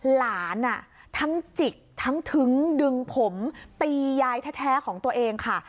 หลานทั้งจิกทั้งทึ้งดึงผมตียายแท้ของตัวเองค่ะ